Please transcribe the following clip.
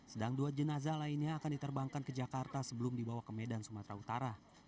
sedang dua jenazah lainnya akan diterbangkan ke jakarta sebelum dibawa ke medan sumatera utara